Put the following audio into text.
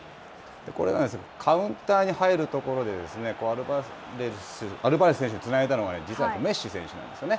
カウンターに入るところでアルバレス選手につないだのが実はメッシ選手なんですよね。